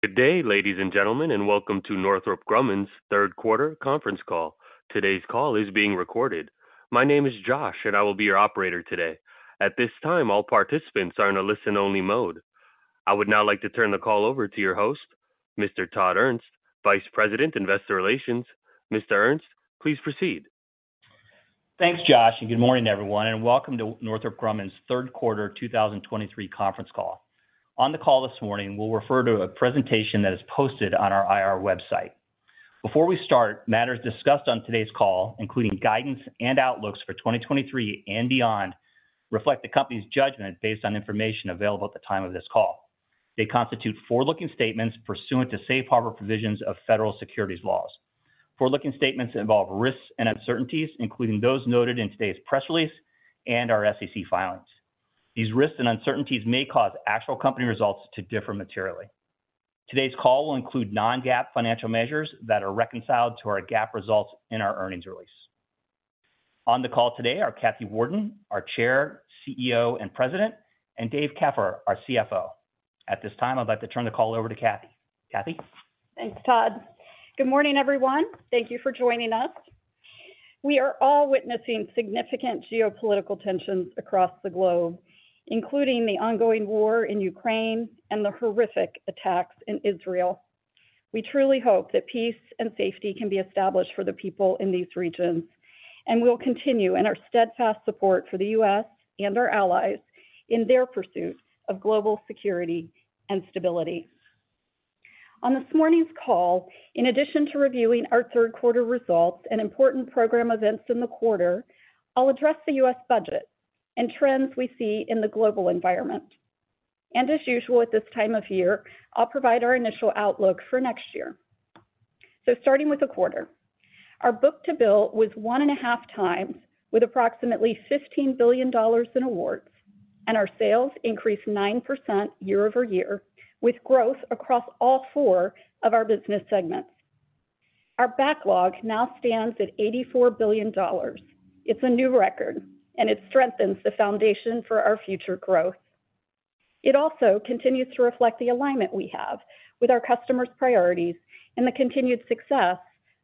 Good day, ladies and gentlemen, and welcome to Northrop Grumman's third quarter conference call. Today's call is being recorded. My name is Josh, and I will be your operator today. At this time, all participants are in a listen-only mode. I would now like to turn the call over to your host, Mr. Todd Ernst, Vice President, Investor Relations. Mr. Ernst, please proceed. Thanks, Josh, and good morning, everyone, and welcome to Northrop Grumman's third quarter 2023 conference call. On the call this morning, we'll refer to a presentation that is posted on our IR website. Before we start, matters discussed on today's call, including guidance and outlooks for 2023 and beyond, reflect the company's judgment based on information available at the time of this call. They constitute forward-looking statements pursuant to Safe Harbor provisions of federal securities laws. Forward-looking statements involve risks and uncertainties, including those noted in today's press release and our SEC filings. These risks and uncertainties may cause actual company results to differ materially. Today's call will include non-GAAP financial measures that are reconciled to our GAAP results in our earnings release. On the call today are Kathy Warden, our Chair, CEO, and President, and Dave Keffer, our CFO. At this time, I'd like to turn the call over to Kathy. Kathy? Thanks, Todd. Good morning, everyone. Thank you for joining us. We are all witnessing significant geopolitical tensions across the globe, including the ongoing war in Ukraine and the horrific attacks in Israel. We truly hope that peace and safety can be established for the people in these regions, and we will continue in our steadfast support for the U.S. and our allies in their pursuit of global security and stability. On this morning's call, in addition to reviewing our third quarter results and important program events in the quarter, I'll address the U.S. budget and trends we see in the global environment. As usual at this time of year, I'll provide our initial outlook for next year. Starting with the quarter. Our book-to-bill was 1.5x, with approximately $15 billion in awards, and our sales increased 9% year-over-year, with growth across all four of our business segments. Our backlog now stands at $84 billion. It's a new record, and it strengthens the foundation for our future growth. It also continues to reflect the alignment we have with our customers' priorities and the continued success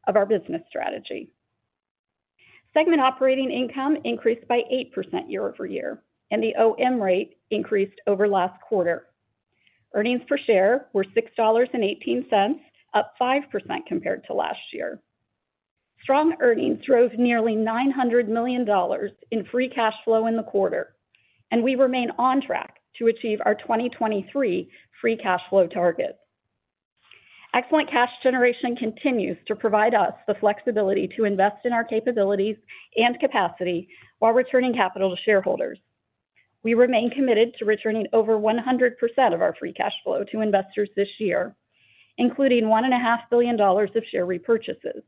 of our business strategy. Segment operating income increased by 8% year-over-year, and the OM rate increased over last quarter. Earnings per share were $6.18, up 5% compared to last year. Strong earnings drove nearly $900 million in free cash flow in the quarter, and we remain on track to achieve our 2023 free cash flow targets. Excellent cash generation continues to provide us the flexibility to invest in our capabilities and capacity while returning capital to shareholders. We remain committed to returning over 100% of our free cash flow to investors this year, including $1.5 billion of share repurchases.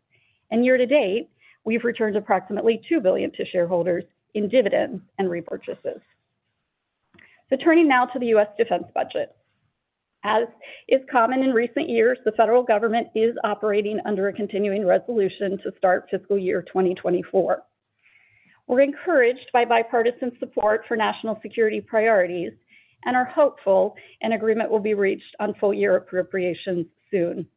Year-to-date, we've returned approximately $2 billion to shareholders in dividends and repurchases. Turning now to the U.S. defense budget. As is common in recent years, the federal government is operating under a continuing resolution to start fiscal year 2024. We're encouraged by bipartisan support for national security priorities and are hopeful an agreement will be reached on full-year appropriations soon.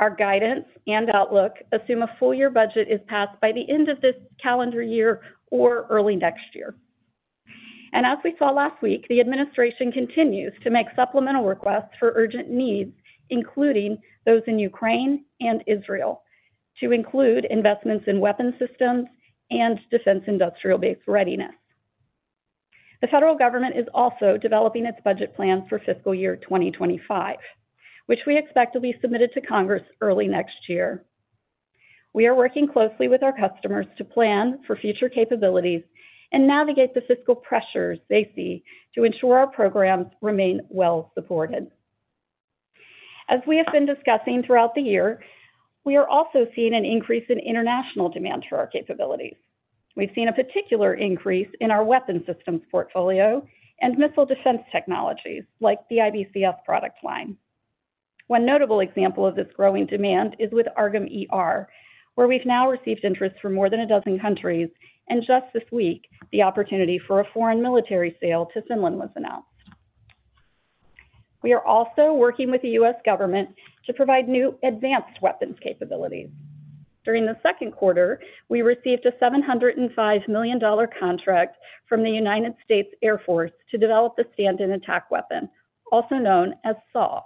Our guidance and outlook assume a full-year budget is passed by the end of this calendar year or early next year. As we saw last week, the administration continues to make supplemental requests for urgent needs, including those in Ukraine and Israel, to include investments in weapon systems and defense industrial base readiness. The federal government is also developing its budget plan for fiscal year 2025, which we expect will be submitted to Congress early next year. We are working closely with our customers to plan for future capabilities and navigate the fiscal pressures they see to ensure our programs remain well supported. As we have been discussing throughout the year, we are also seeing an increase in international demand for our capabilities. We've seen a particular increase in our weapon systems portfolio and missile defense technologies, like the IBCS product line. One notable example of this growing demand is with AARGM-ER, where we've now received interest from more than a dozen countries, and just this week, the opportunity for a foreign military sale to Finland was announced. We are also working with the U.S. government to provide new advanced weapons capabilities. During the second quarter, we received a $705 million contract from the United States Air Force to develop a Stand-in Attack Weapon, also known as SiAW,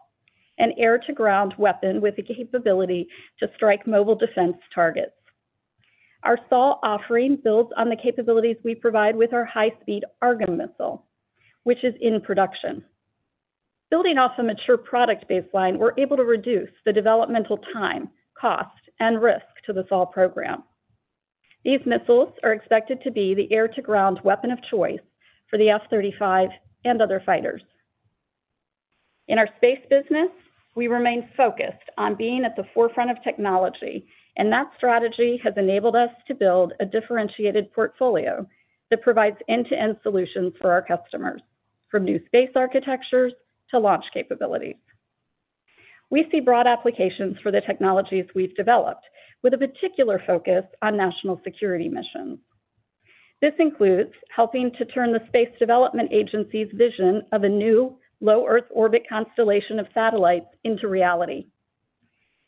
an air-to-ground weapon with the capability to strike mobile defense targets. Our SiAW offering builds on the capabilities we provide with our high-speed AARGM missile, which is in production. Building off a mature product baseline, we're able to reduce the developmental time, cost, and risk to the SiAW program. These missiles are expected to be the air-to-ground weapon of choice for the F-35 and other fighters. In our space business, we remain focused on being at the forefront of technology, and that strategy has enabled us to build a differentiated portfolio that provides end-to-end solutions for our customers, from new space architectures to launch capabilities. We see broad applications for the technologies we've developed, with a particular focus on national security missions. This includes helping to turn the Space Development Agency's vision of a new low Earth orbit constellation of satellites into reality.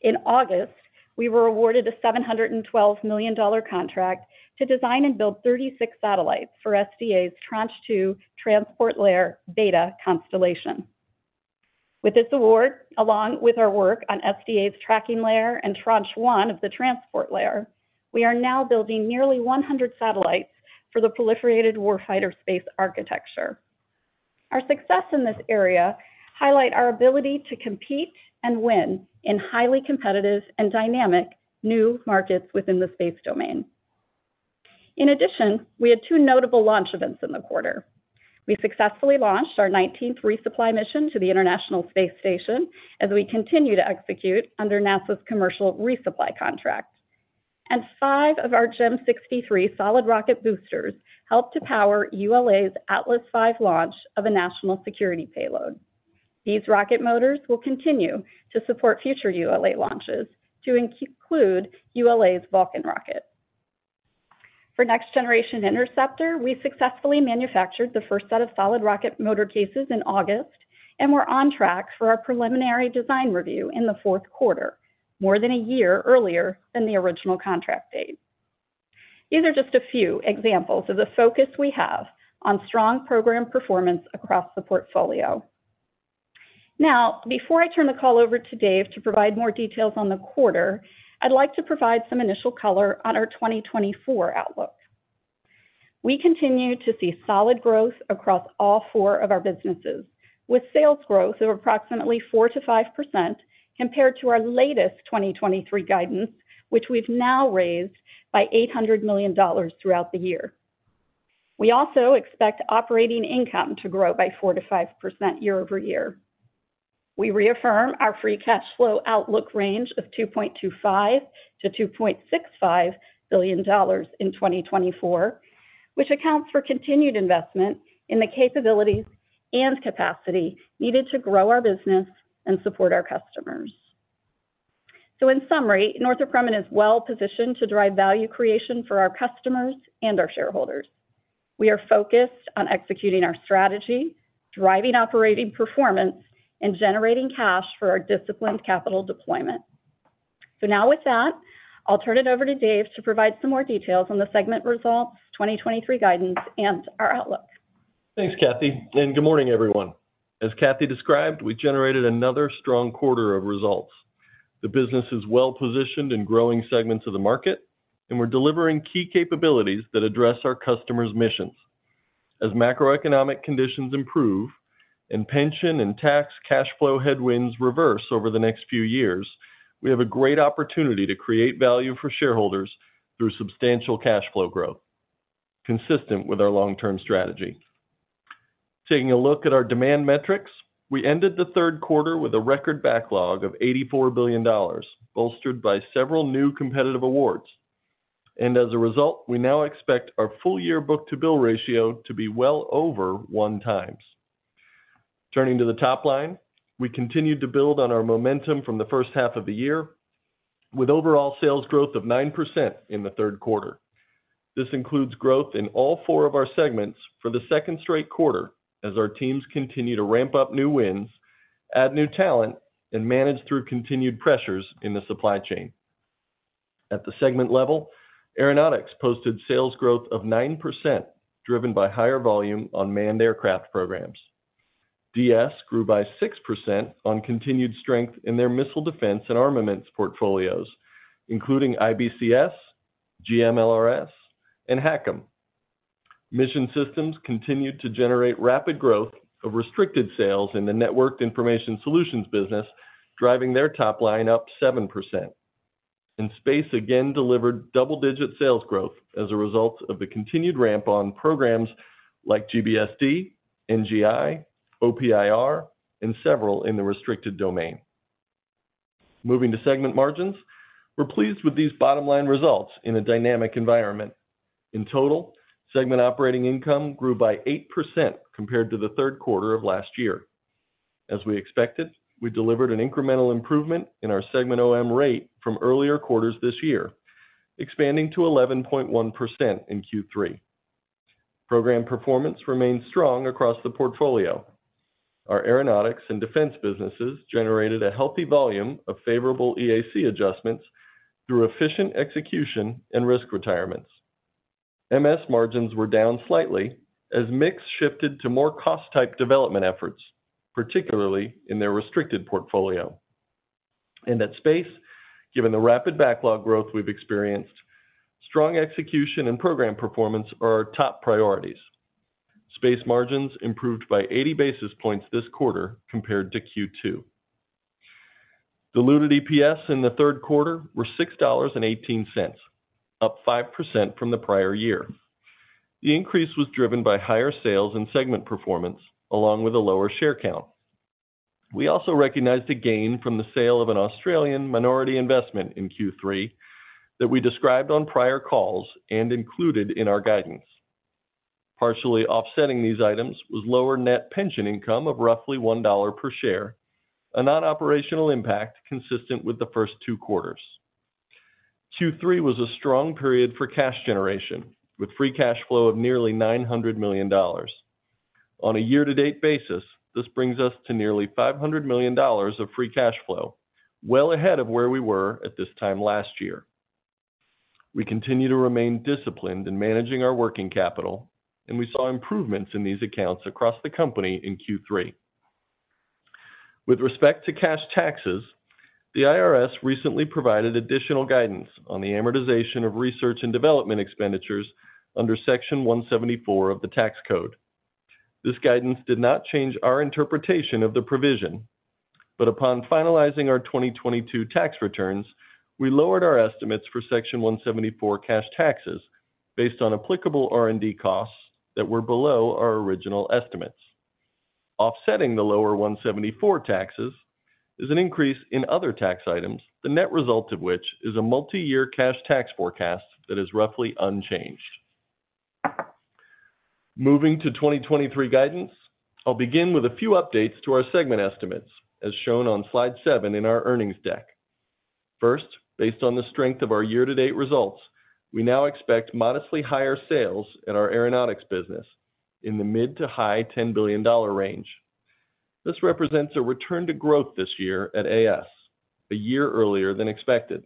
In August, we were awarded a $712 million contract to design and build 36 satellites for SDA's Tranche 2 Transport Layer beta constellation. With this award, along with our work on SDA's Tracking Layer and Tranche 1 of the Transport Layer, we are now building nearly 100 satellites for the Proliferated Warfighter Space Architecture. Our success in this area highlights our ability to compete and win in highly competitive and dynamic new markets within the space domain. In addition, we had two notable launch events in the quarter. We successfully launched our 19th resupply mission to the International Space Station as we continue to execute under NASA's commercial resupply contract. Five of our GEM-63 solid rocket boosters helped to power ULA's Atlas V launch of a national security payload. These rocket motors will continue to support future ULA launches, to include ULA's Vulcan rocket. For Next Generation Interceptor, we successfully manufactured the 1st set of solid rocket motor cases in August, and we're on track for our preliminary design review in the fourth quarter, more than a year earlier than the original contract date. These are just a few examples of the focus we have on strong program performance across the portfolio. Now, before I turn the call over to Dave to provide more details on the quarter, I'd like to provide some initial color on our 2024 outlook. We continue to see solid growth across all four of our businesses, with sales growth of approximately 4%-5% compared to our latest 2023 guidance, which we've now raised by $800 million throughout the year. We also expect operating income to grow by 4%-5% year-over-year. We reaffirm our free cash flow outlook range of $2.25 billion-$2.65 billion in 2024, which accounts for continued investment in the capabilities and capacity needed to grow our business and support our customers. In summary, Northrop Grumman is well positioned to drive value creation for our customers and our shareholders. We are focused on executing our strategy, driving operating performance, and generating cash for our disciplined capital deployment. So now with that, I'll turn it over to Dave to provide some more details on the segment results, 2023 guidance, and our outlook. Thanks, Kathy, and good morning, everyone. As Kathy described, we generated another strong quarter of results. The business is well positioned in growing segments of the market, and we're delivering key capabilities that address our customers' missions. As macroeconomic conditions improve and pension and tax cash flow headwinds reverse over the next few years, we have a great opportunity to create value for shareholders through substantial cash flow growth, consistent with our long-term strategy. Taking a look at our demand metrics, we ended the third quarter with a record backlog of $84 billion, bolstered by several new competitive awards. As a result, we now expect our full-year book-to-bill ratio to be well over 1x. Turning to the top line, we continued to build on our momentum from the first half of the year, with overall sales growth of 9% in the third quarter. This includes growth in all four of our segments for the second straight quarter, as our teams continue to ramp up new wins, add new talent, and manage through continued pressures in the supply chain. At the segment level, Aeronautics posted sales growth of 9%, driven by higher volume on manned aircraft programs. DS grew by 6% on continued strength in their missile defense and armaments portfolios, including IBCS, GMLRS, and HACM. Mission Systems continued to generate rapid growth of restricted sales in the networked information solutions business, driving their top line up 7%. Space again delivered double-digit sales growth as a result of the continued ramp on programs like GBSD, NGI, OPIR, and several in the restricted domain. Moving to segment margins, we're pleased with these bottom-line results in a dynamic environment. In total, segment operating income grew by 8% compared to the third quarter of last year. As we expected, we delivered an incremental improvement in our segment OM rate from earlier quarters this year, expanding to 11.1% in Q3. Program performance remains strong across the portfolio. Our aeronautics and defense businesses generated a healthy volume of favorable EAC adjustments through efficient execution and risk retirements. MS margins were down slightly as mix shifted to more cost-type development efforts, particularly in their restricted portfolio. And at space, given the rapid backlog growth we've experienced, strong execution and program performance are our top priorities. Space margins improved by 80 basis points this quarter compared to Q2. Diluted EPS in the third quarter were $6.18, up 5% from the prior year. The increase was driven by higher sales and segment performance, along with a lower share count. We also recognized a gain from the sale of an Australian minority investment in Q3 that we described on prior calls and included in our guidance. Partially offsetting these items was lower net pension income of roughly $1 per share, a non-operational impact consistent with the first two quarters. Q3 was a strong period for cash generation, with free cash flow of nearly $900 million. On a year-to-date basis, this brings us to nearly $500 million of free cash flow, well ahead of where we were at this time last year. We continue to remain disciplined in managing our working capital, and we saw improvements in these accounts across the company in Q3. With respect to cash taxes, the IRS recently provided additional guidance on the amortization of research and development expenditures under Section 174 of the Tax Code. This guidance did not change our interpretation of the provision, but upon finalizing our 2022 tax returns, we lowered our estimates for Section 174 cash taxes based on applicable R&D costs that were below our original estimates. Offsetting the lower 174 taxes is an increase in other tax items, the net result of which is a multi-year cash tax forecast that is roughly unchanged. Moving to 2023 guidance, I'll begin with a few updates to our segment estimates, as shown on slide seven in our earnings deck. First, based on the strength of our year-to-date results, we now expect modestly higher sales in our Aeronautics business in the mid to high $10 billion range. This represents a return to growth this year at AS, a year earlier than expected,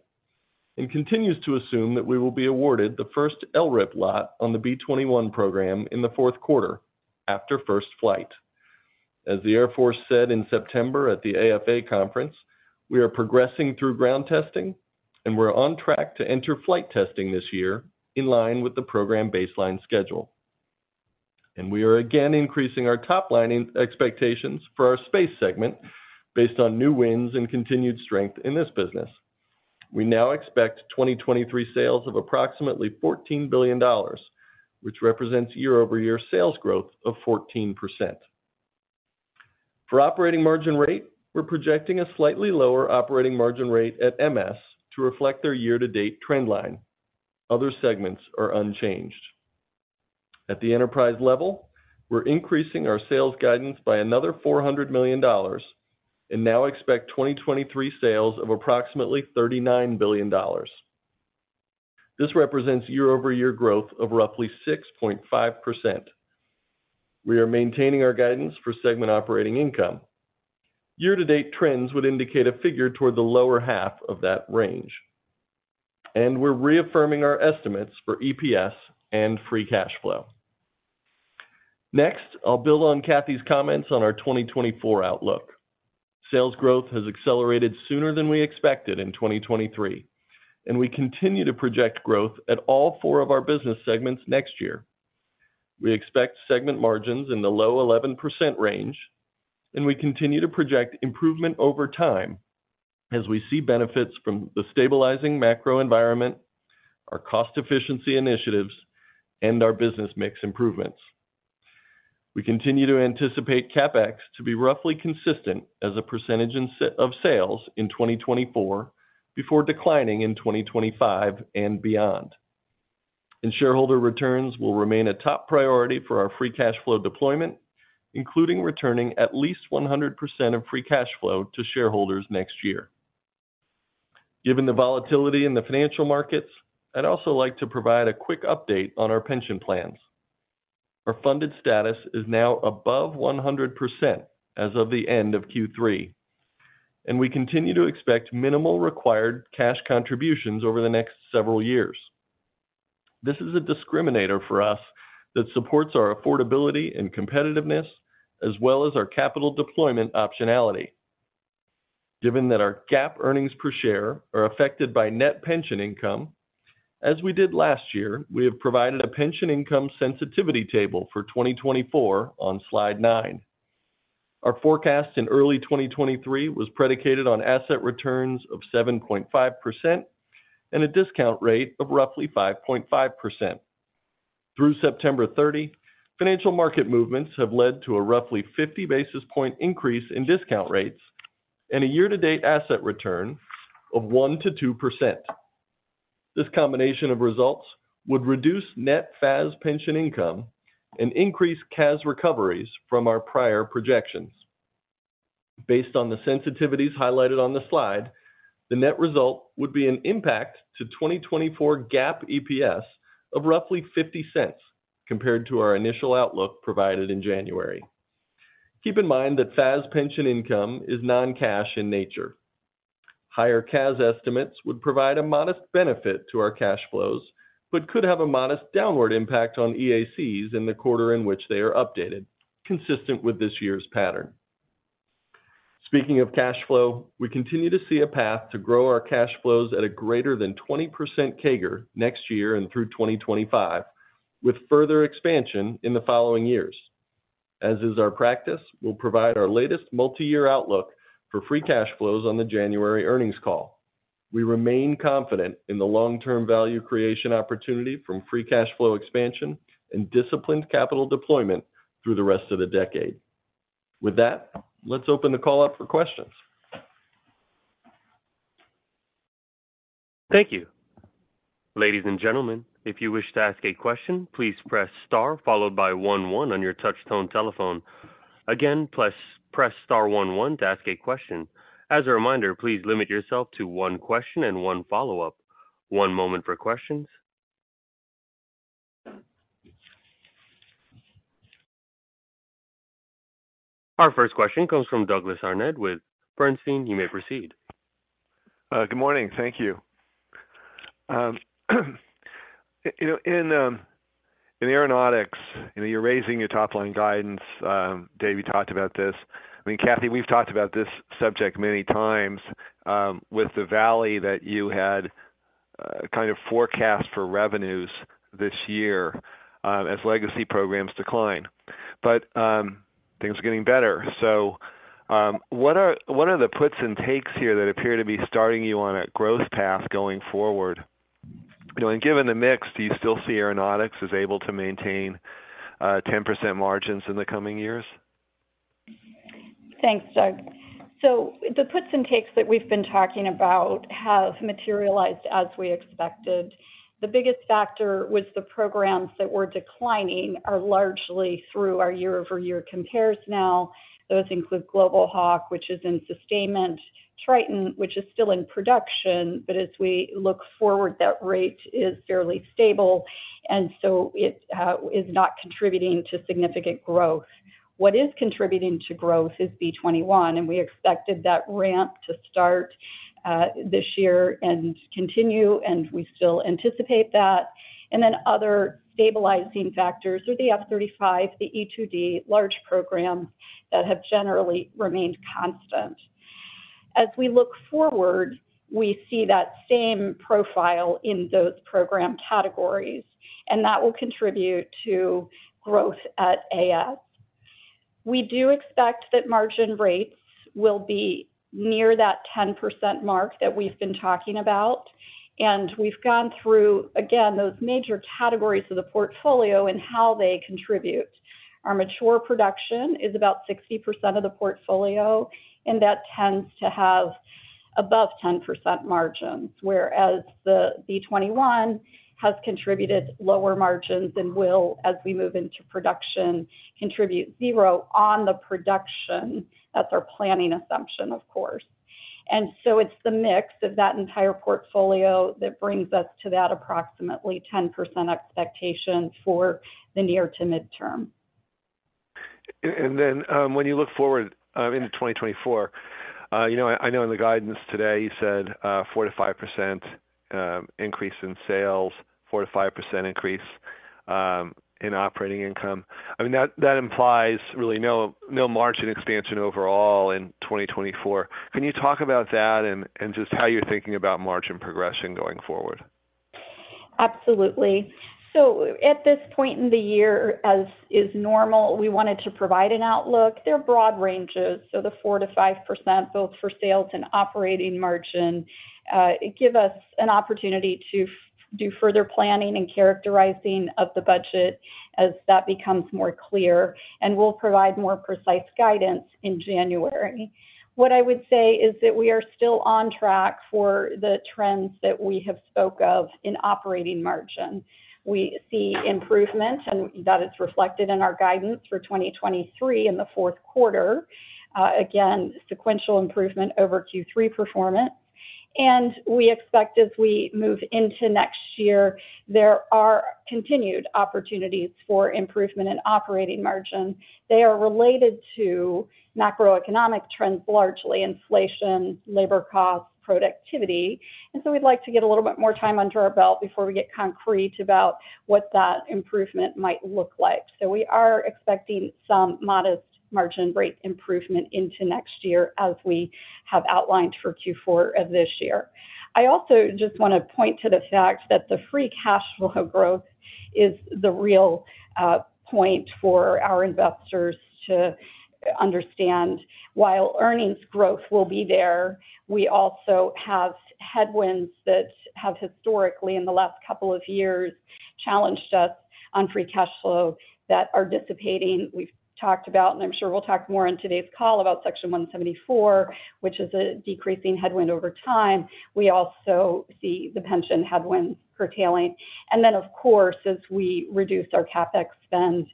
and continues to assume that we will be awarded the first LRIP lot on the B-21 program in the fourth quarter after first flight. As the Air Force said in September at the AFA conference, we are progressing through ground testing, and we're on track to enter flight testing this year, in line with the program baseline schedule. And we are again increasing our top-line expectations for our Space segment based on new wins and continued strength in this business. We now expect 2023 sales of approximately $14 billion, which represents year-over-year sales growth of 14%. For operating margin rate, we're projecting a slightly lower operating margin rate at MS to reflect their year-to-date trend line. Other segments are unchanged. At the enterprise level, we're increasing our sales guidance by another $400 million and now expect 2023 sales of approximately $39 billion. This represents year-over-year growth of roughly 6.5%. We are maintaining our guidance for segment operating income. Year-to-date trends would indicate a figure toward the lower half of that range, and we're reaffirming our estimates for EPS and free cash flow. Next, I'll build on Kathy's comments on our 2024 outlook. Sales growth has accelerated sooner than we expected in 2023, and we continue to project growth at all four of our business segments next year. We expect segment margins in the low 11% range, and we continue to project improvement over time as we see benefits from the stabilizing macro environment, our cost efficiency initiatives, and our business mix improvements. We continue to anticipate CapEx to be roughly consistent as a percentage of sales in 2024, before declining in 2025 and beyond. Shareholder returns will remain a top priority for our free cash flow deployment, including returning at least 100% of free cash flow to shareholders next year. Given the volatility in the financial markets, I'd also like to provide a quick update on our pension plans. Our funded status is now above 100% as of the end of Q3, and we continue to expect minimal required cash contributions over the next several years. This is a discriminator for us that supports our affordability and competitiveness, as well as our capital deployment optionality. Given that our GAAP earnings per share are affected by net pension income, as we did last year, we have provided a pension income sensitivity table for 2024 on slide nine. Our forecast in early 2023 was predicated on asset returns of 7.5% and a discount rate of roughly 5.5%. Through September 30, financial market movements have led to a roughly 50 basis point increase in discount rates and a year-to-date asset return of 1%-2%. This combination of results would reduce net FAS pension income and increase CAS recoveries from our prior projections. Based on the sensitivities highlighted on the slide, the net result would be an impact to 2024 GAAP EPS of roughly $0.50 compared to our initial outlook provided in January. Keep in mind that FAS pension income is non-cash in nature. Higher CAS estimates would provide a modest benefit to our cash flows, but could have a modest downward impact on EACs in the quarter in which they are updated, consistent with this year's pattern. Speaking of cash flow, we continue to see a path to grow our cash flows at a greater than 20% CAGR next year and through 2025, with further expansion in the following years. As is our practice, we'll provide our latest multi-year outlook for free cash flows on the January earnings call. We remain confident in the long-term value creation opportunity from free cash flow expansion and disciplined capital deployment through the rest of the decade. With that, let's open the call up for questions. Thank you. Ladies and gentlemen, if you wish to ask a question, please press star, followed by one one on your touchtone telephone. Again, please press star one one to ask a question. As a reminder, please limit yourself to one question and one follow-up. One moment for questions. Our first question comes from Douglas Harned with Bernstein. You may proceed. Good morning. Thank you. You know, in, in aeronautics, you know, you're raising your top-line guidance. Dave, you talked about this. I mean, Kathy, we've talked about this subject many times, with the valley that you had, kind of forecast for revenues this year, as legacy programs decline, but things are getting better. So, what are, what are the puts and takes here that appear to be starting you on a growth path going forward? You know, and given the mix, do you still see Aeronautics as able to maintain 10% margins in the coming years? Thanks, Doug. So the puts and takes that we've been talking about have materialized as we expected. The biggest factor was the programs that were declining are largely through our year-over-year compares now. Those include Global Hawk, which is in sustainment, Triton, which is still in production, but as we look forward, that rate is fairly stable, and so it is not contributing to significant growth. What is contributing to growth is B-21, and we expected that ramp to start this year and continue, and we still anticipate that. And then other stabilizing factors are the F-35, the E-2D, large programs that have generally remained constant. As we look forward, we see that same profile in those program categories, and that will contribute to growth at AS. We do expect that margin rates will be near that 10% mark that we've been talking about, and we've gone through, again, those major categories of the portfolio and how they contribute. Our mature production is about 60% of the portfolio, and that tends to have above 10% margins, whereas the B-21 has contributed lower margins and will, as we move into production, contribute zero on the production. That's our planning assumption, of course. And so it's the mix of that entire portfolio that brings us to that approximately 10% expectation for the near to midterm. And then, when you look forward, into 2024, you know, I know in the guidance today, you said, 4%-5% increase in sales, 4%-5% increase in operating income. I mean, that implies really no margin expansion overall in 2024. Can you talk about that and just how you're thinking about margin progression going forward? Absolutely. So at this point in the year, as is normal, we wanted to provide an outlook. They're broad ranges, so the 4%-5%, both for sales and operating margin, give us an opportunity to do further planning and characterizing of the budget as that becomes more clear, and we'll provide more precise guidance in January. What I would say is that we are still on track for the trends that we have spoke of in operating margin. We see improvement, and that is reflected in our guidance for 2023 in the fourth quarter. Again, sequential improvement over Q3 performance. And we expect as we move into next year, there are continued opportunities for improvement in operating margin. They are related to macroeconomic trends, largely inflation, labor costs, productivity. And so we'd like to get a little bit more time under our belt before we get concrete about what that improvement might look like. So we are expecting some modest margin rate improvement into next year, as we have outlined for Q4 of this year. I also just want to point to the fact that the free cash flow growth is the real point for our investors to understand. While earnings growth will be there, we also have headwinds that have historically, in the last couple of years, challenged us on free cash flow that are dissipating. We've talked about, and I'm sure we'll talk more in today's call about Section 174, which is a decreasing headwind over time. We also see the pension headwind curtailing. And then, of course, as we reduce our CapEx spend,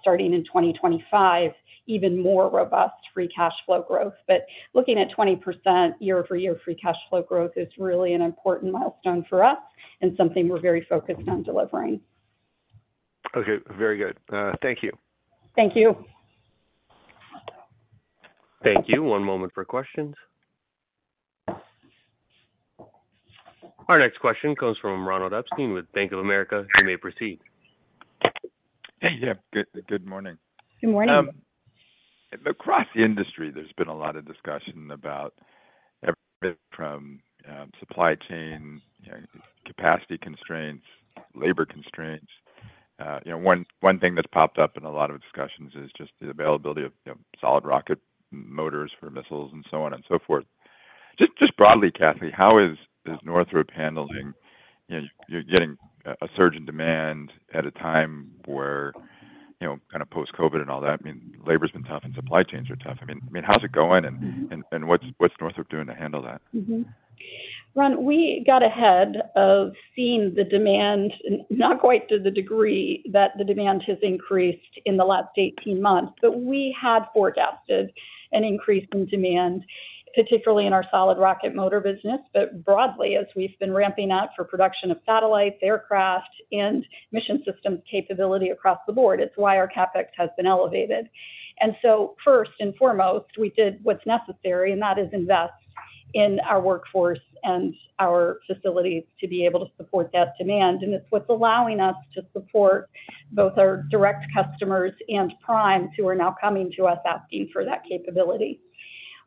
starting in 2025, even more robust free cash flow growth. But looking at 20% year-over-year free cash flow growth is really an important milestone for us and something we're very focused on delivering. Okay, very good. Thank you. Thank you. Thank you. One moment for questions. Our next question comes from Ronald Epstein with Bank of America. You may proceed. Yeah. Good morning. Good morning. Across the industry, there's been a lot of discussion about everything from supply chain, capacity constraints, labor constraints. You know, one thing that's popped up in a lot of discussions is just the availability of solid rocket motors for missiles and so on and so forth. Just broadly, Kathy, how is Northrop handling, you know, you're getting a surge in demand at a time where, you know, kind of post-COVID and all that, I mean, labor's been tough and supply chains are tough. I mean, how's it going? What's Northrop doing to handle that? Ron, we got ahead of seeing the demand, not quite to the degree that the demand has increased in the last 18 months, but we had forecasted an increase in demand, particularly in our solid rocket motor business. But broadly, as we've been ramping up for production of satellites, aircraft, and mission system capability across the board, it's why our CapEx has been elevated. And so first and foremost, we did what's necessary, and that is invest in our workforce and our facilities to be able to support that demand. And it's what's allowing us to support both our direct customers and primes who are now coming to us asking for that capability.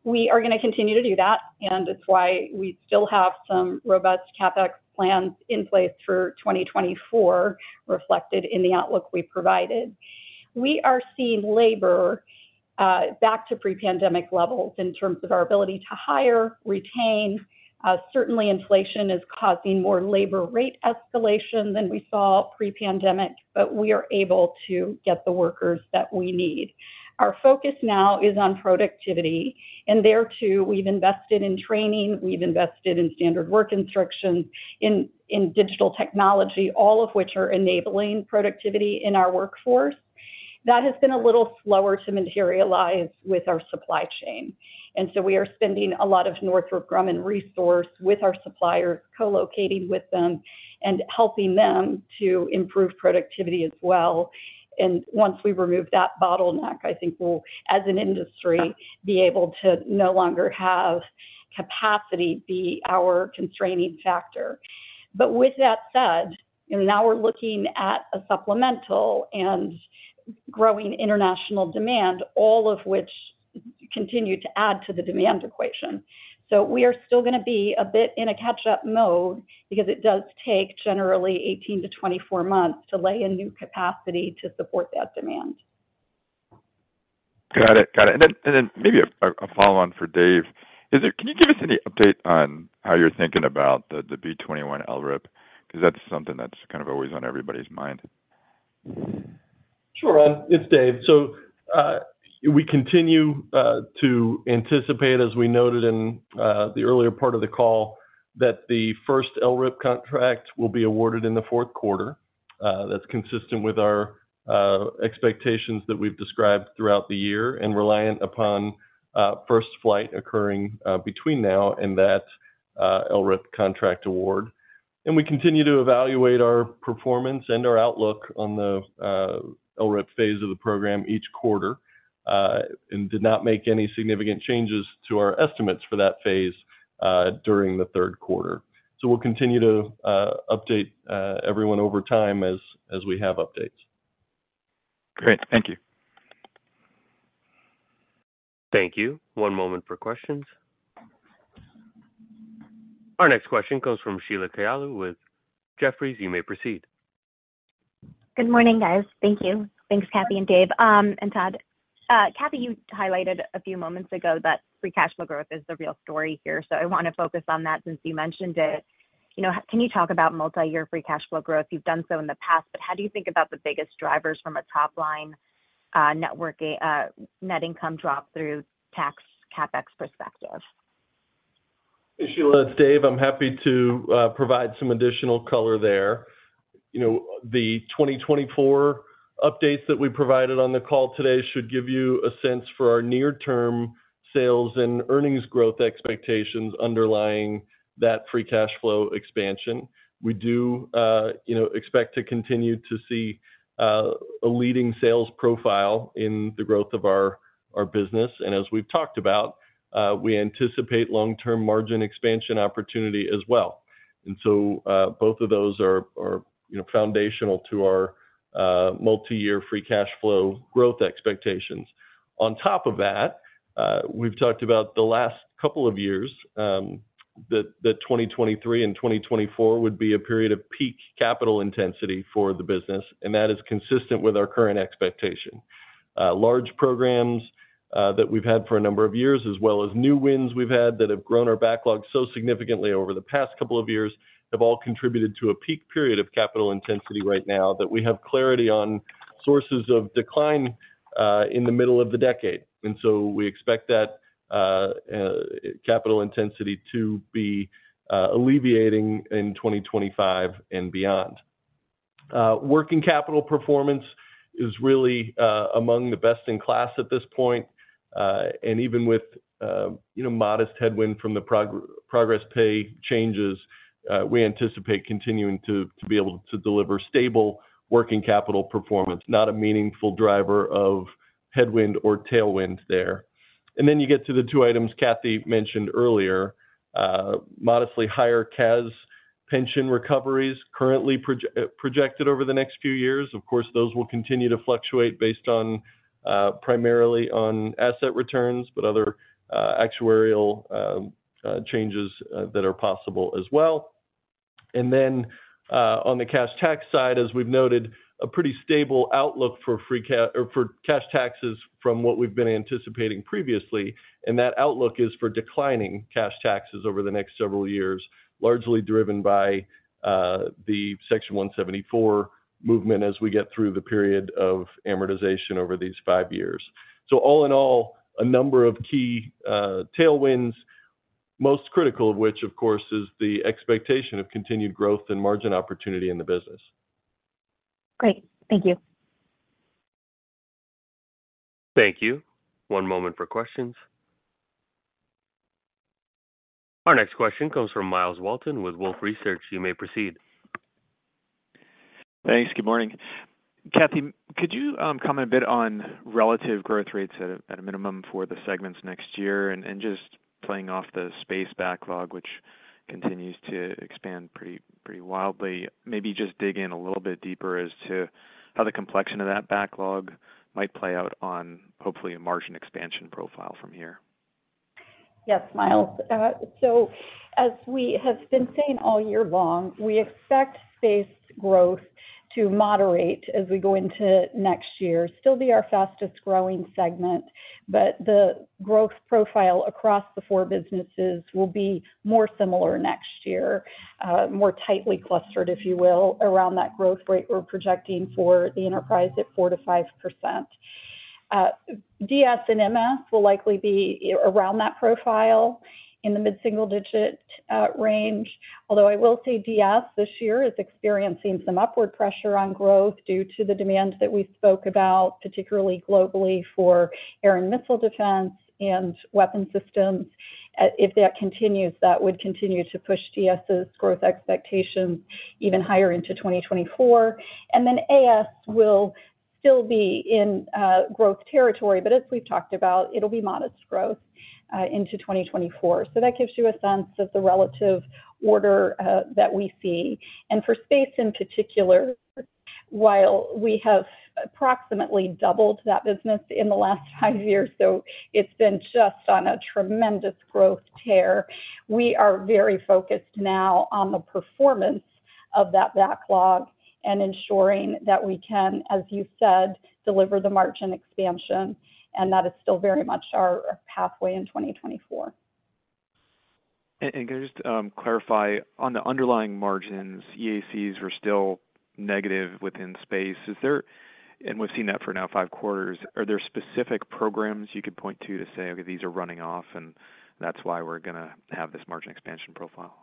We are gonna continue to do that, and it's why we still have some robust CapEx plans in place for 2024, reflected in the outlook we provided. We are seeing labor back to pre-pandemic levels in terms of our ability to hire, retain. Certainly inflation is causing more labor rate escalation than we saw pre-pandemic, but we are able to get the workers that we need. Our focus now is on productivity, and there, too, we've invested in training, we've invested in standard work instructions, in, in digital technology, all of which are enabling productivity in our workforce. That has been a little slower to materialize with our supply chain, and so we are spending a lot of Northrop Grumman resource with our suppliers, co-locating with them and helping them to improve productivity as well. Once we remove that bottleneck, I think we'll, as an industry, be able to no longer have capacity be our constraining factor. But with that said, and now we're looking at a supplemental and growing international demand, all of which continue to add to the demand equation. So we are still gonna be a bit in a catch-up mode because it does take generally 18-24 months to lay a new capacity to support that demand. Got it. Got it. And then maybe a follow-on for Dave. Is there, can you give us any update on how you're thinking about the B-21 LRIP? Because that's something that's kind of always on everybody's mind. Sure, Ron, it's Dave. So, we continue to anticipate, as we noted in the earlier part of the call, that the first LRIP contract will be awarded in the fourth quarter. That's consistent with our expectations that we've described throughout the year and reliant upon first flight occurring between now and that LRIP contract award. And we continue to evaluate our performance and our outlook on the LRIP phase of the program each quarter and did not make any significant changes to our estimates for that phase during the third quarter. So we'll continue to update everyone over time as, as we have updates. Great. Thank you. Thank you. One moment for questions. Our next question comes from Sheila Kahyaoglu with Jefferies. You may proceed. Good morning, guys. Thank you. Thanks, Kathy and Dave, and Todd. Kathy, you highlighted a few moments ago that free cash flow growth is the real story here, so I want to focus on that since you mentioned it. You know, can you talk about multiyear free cash flow growth? You've done so in the past, but how do you think about the biggest drivers from a top line, net income drop through tax CapEx perspective? Hey, Sheila, it's Dave. I'm happy to provide some additional color there. You know, the 2024 updates that we provided on the call today should give you a sense for our near-term sales and earnings growth expectations underlying that free cash flow expansion. We do, you know, expect to continue to see a leading sales profile in the growth of our business. And as we've talked about, we anticipate long-term margin expansion opportunity as well. And so, both of those are, you know, foundational to our multiyear free cash flow growth expectations. On top of that, we've talked about the last couple of years that 2023 and 2024 would be a period of peak capital intensity for the business, and that is consistent with our current expectation. Large programs that we've had for a number of years, as well as new wins we've had that have grown our backlog so significantly over the past couple of years, have all contributed to a peak period of capital intensity right now that we have clarity on sources of decline in the middle of the decade. And so we expect that capital intensity to be alleviating in 2025 and beyond. Working capital performance is really among the best in class at this point. And even with you know modest headwind from the progress pay changes, we anticipate continuing to be able to deliver stable working capital performance, not a meaningful driver of headwind or tailwind there. Then you get to the two items Kathy mentioned earlier, modestly higher CAS pension recoveries currently projected over the next few years. Of course, those will continue to fluctuate based on, primarily on asset returns, but other actuarial changes that are possible as well. And then, on the cash tax side, as we've noted, a pretty stable outlook for cash taxes from what we've been anticipating previously, and that outlook is for declining cash taxes over the next several years, largely driven by the Section 174 movement as we get through the period of amortization over these five years. So all in all, a number of key tailwinds, most critical of which, of course, is the expectation of continued growth and margin opportunity in the business. Great. Thank you. Thank you. One moment for questions. Our next question comes from Miles Walton with Wolfe Research. You may proceed. Thanks. Good morning. Kathy, could you comment a bit on relative growth rates at a minimum for the segments next year? And just playing off the space backlog, which continues to expand pretty wildly. Maybe just dig in a little bit deeper as to how the complexion of that backlog might play out on, hopefully, a margin expansion profile from here. Yes, Miles. So as we have been saying all year long, we expect space growth to moderate as we go into next year. Still be our fastest growing segment, but the growth profile across the four businesses will be more similar next year, more tightly clustered, if you will, around that growth rate we're projecting for the enterprise at 4%-5%. DS and MS will likely be around that profile in the mid-single digit range. Although I will say DS, this year, is experiencing some upward pressure on growth due to the demand that we spoke about, particularly globally for air and missile defense and weapon systems. If that continues, that would continue to push DS's growth expectations even higher into 2024. Then AS will still be in growth territory, but as we've talked about, it'll be modest growth into 2024. So that gives you a sense of the relative order that we see. For space, in particular, while we have approximately doubled that business in the last five years, so it's been just on a tremendous growth tear, we are very focused now on the performance of that backlog and ensuring that we can, as you said, deliver the margin expansion, and that is still very much our pathway in 2024. And can I just clarify on the underlying margins? EACs were still negative within space. And we've seen that for now five quarters. Are there specific programs you could point to, to say, okay, these are running off, and that's why we're gonna have this margin expansion profile?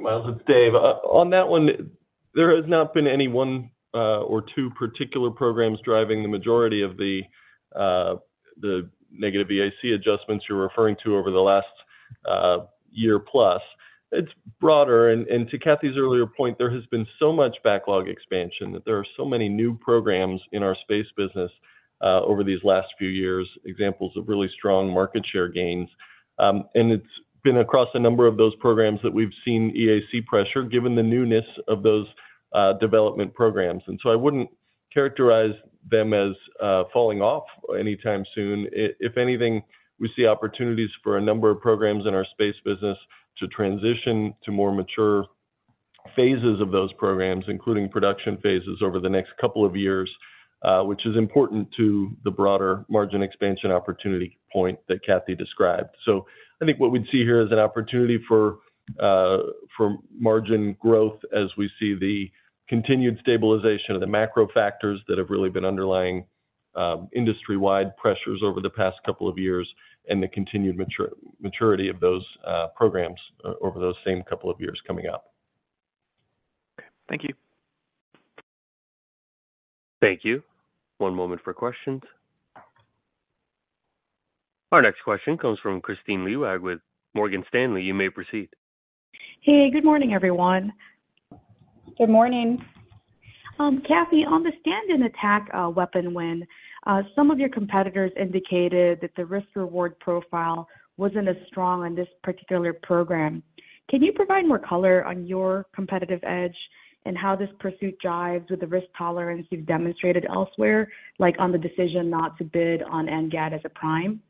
Miles, it's Dave. On that one, there has not been any one or two particular programs driving the majority of the negative EAC adjustments you're referring to over the last year plus. It's broader. And to Kathy's earlier point, there has been so much backlog expansion, that there are so many new programs in our space business over these last few years, examples of really strong market share gains. And it's been across a number of those programs that we've seen EAC pressure, given the newness of those development programs. And so I wouldn't characterize them as falling off anytime soon. If anything, we see opportunities for a number of programs in our space business to transition to more mature phases of those programs, including production phases, over the next couple of years, which is important to the broader margin expansion opportunity point that Kathy described. So I think what we'd see here is an opportunity for for margin growth as we see the continued stabilization of the macro factors that have really been underlying, industry-wide pressures over the past couple of years, and the continued maturity of those, programs over those same couple of years coming up. Thank you. Thank you. One moment for questions. Our next question comes from Kristine Liwag with Morgan Stanley. You may proceed. Hey, good morning, everyone. Good morning. Kathy, on the Stand-in Attack Weapon win, some of your competitors indicated that the risk-reward profile wasn't as strong on this particular program. Can you provide more color on your competitive edge and how this pursuit jives with the risk tolerance you've demonstrated elsewhere, like on the decision not to bid on NGAD as a prime?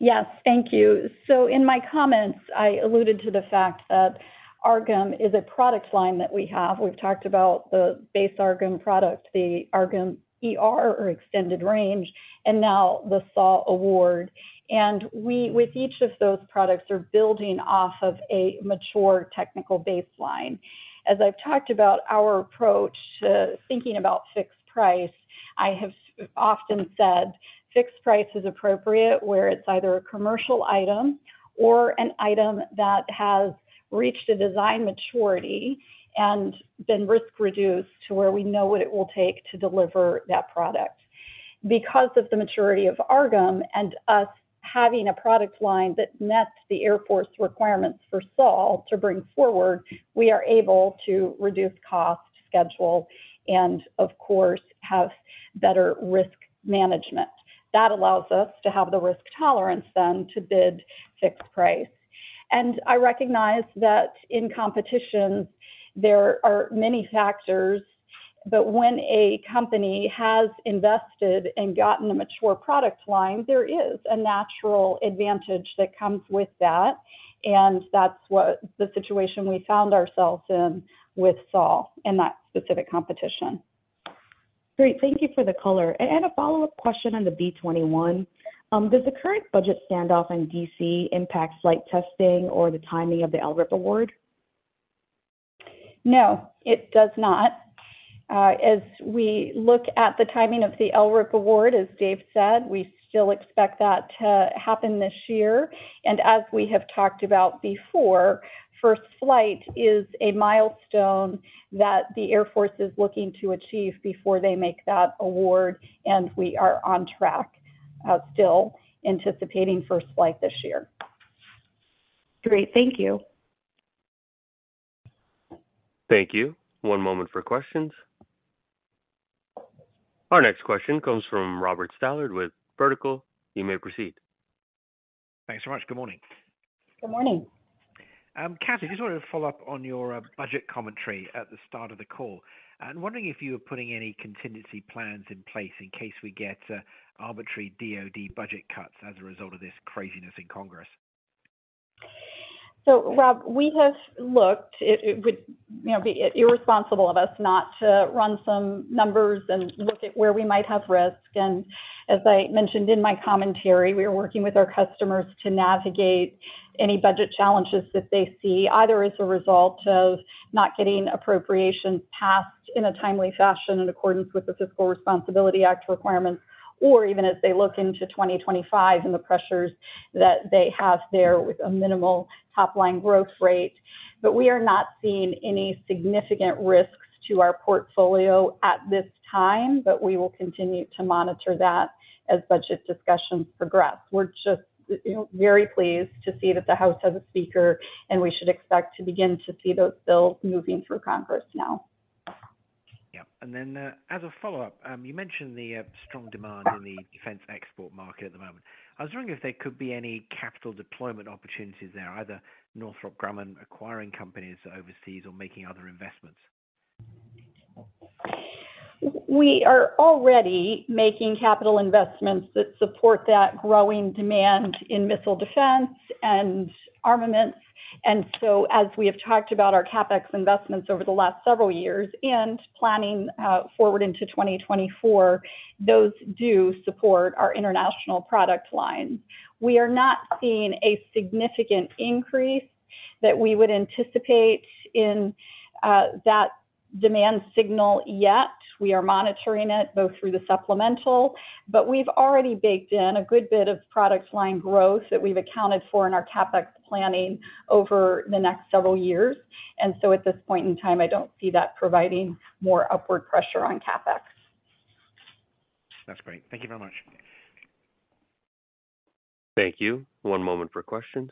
Yes, thank you. So in my comments, I alluded to the fact that AARGM is a product line that we have. We've talked about the base AARGM product, the AARGM-ER, or extended range, and now the SiAW award. And we, with each of those products, are building off of a mature technical baseline. As I've talked about our approach to thinking about fixed price, I have often said, fixed price is appropriate where it's either a commercial item or an item that has reached a design maturity and been risk-reduced to where we know what it will take to deliver that product. Because of the maturity of AARGM and us having a product line that met the Air Force requirements for SiAW to bring forward, we are able to reduce cost, schedule, and of course, have better risk management. That allows us to have the risk tolerance then to bid fixed price. I recognize that in competition, there are many factors, but when a company has invested and gotten a mature product line, there is a natural advantage that comes with that, and that's what the situation we found ourselves in with SiAW in that specific competition. Great. Thank you for the color. A follow-up question on the B-21. Does the current budget standoff in D.C. impact flight testing or the timing of the LRIP award? No, it does not, as we look at the timing of the LRIP award, as Dave said, we still expect that to happen this year. And as we have talked about before, first flight is a milestone that the Air Force is looking to achieve before they make that award, and we are on track, still anticipating first flight this year. Great. Thank you. Thank you. One moment for questions. Our next question comes from Robert Stallard with Vertical. You may proceed. Thanks so much. Good morning. Good morning. Kathy, just wanted to follow up on your budget commentary at the start of the call. I'm wondering if you are putting any contingency plans in place in case we get arbitrary DOD budget cuts as a result of this craziness in Congress? So Rob, we have looked. It would, you know, be irresponsible of us not to run some numbers and look at where we might have risk. As I mentioned in my commentary, we are working with our customers to navigate any budget challenges that they see, either as a result of not getting appropriations passed in a timely fashion in accordance with the Fiscal Responsibility Act requirements, or even as they look into 2025 and the pressures that they have there with a minimal top-line growth rate. We are not seeing any significant risks to our portfolio at this time, but we will continue to monitor that as budget discussions progress. We're just, you know, very pleased to see that the House has a speaker, and we should expect to begin to see those bills moving through Congress now. Yeah. And then, as a follow-up, you mentioned the strong demand in the defense export market at the moment. I was wondering if there could be any capital deployment opportunities there, either Northrop Grumman acquiring companies overseas or making other investments. We are already making capital investments that support that growing demand in missile defense and armaments. And so as we have talked about our CapEx investments over the last several years and planning, forward into 2024, those do support our international product line. We are not seeing a significant increase that we would anticipate in, that demand signal yet. We are monitoring it both through the supplemental, but we've already baked in a good bit of product line growth that we've accounted for in our CapEx planning over the next several years. And so at this point in time, I don't see that providing more upward pressure on CapEx. That's great. Thank you very much. Thank you. One moment for questions.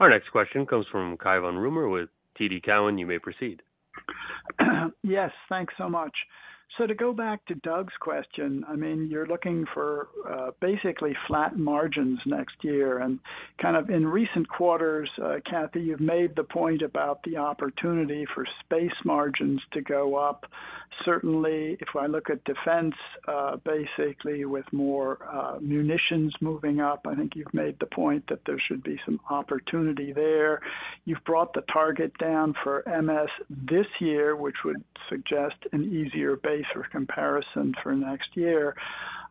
Our next question comes from Cai van Rumohr with TD Cowen. You may proceed. Yes, thanks so much. So to go back to Doug's question, I mean, you're looking for, basically flat margins next year. And kind of in recent quarters, Kathy, you've made the point about the opportunity for space margins to go up. Certainly, if I look at defense, basically with more, munitions moving up, I think you've made the point that there should be some opportunity there. You've brought the target down for MS this year, which would suggest an easier base or comparison for next year.